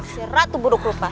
si ratu buruk rupa